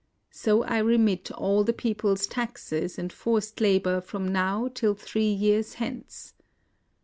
So I remit all the people's taxes and forced labor from now till three years hence.'